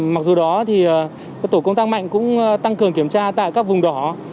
mặc dù đó thì tổ công tác mạnh cũng tăng cường kiểm tra tại các vùng đỏ